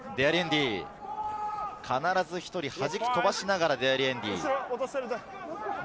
必ず１人弾き飛ばしながら、デアリエンディ。